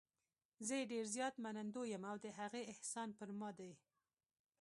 زه یې ډېر زیات منندوی یم او د هغې احسان پر ما دی.